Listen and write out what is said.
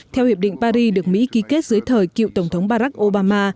theo hiệp định paris được mỹ ký kết dưới thời cựu tổng thống barack obama